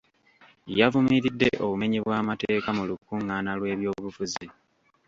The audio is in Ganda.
Yavumiridde obumenyi bw'amateeka mu lukungaana lw'ebyobufuzi.